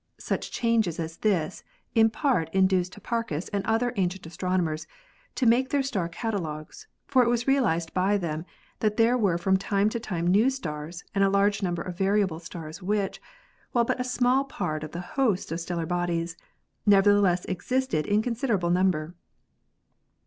Such changes as this in part induced Hipparchus and other ancient astronomers to make their star catalogues, for it was realized by them that there were from time to time new stars and a large number of variable stars which, while but a small part of the host of stellar bodies, nevertheless existed in considerable number.